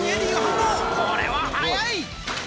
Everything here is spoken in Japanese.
これは早い。